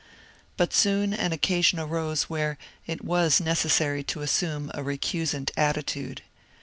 But soon an occasion arose where it was necessary to assume a recusant attitude.